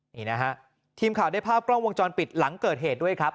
นี่นะฮะทีมข่าวได้ภาพกล้องวงจรปิดหลังเกิดเหตุด้วยครับ